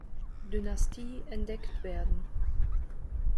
Dynastie entdeckt werden.